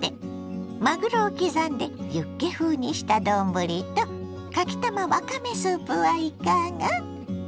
まぐろを刻んでユッケ風にした丼とかきたまわかめスープはいかが。